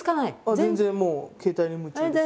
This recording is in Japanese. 全然もう携帯に夢中です。